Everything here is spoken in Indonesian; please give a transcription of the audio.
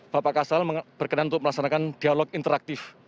bapak kasal berkenan untuk melaksanakan dialog interaktif